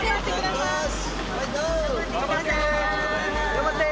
頑張って！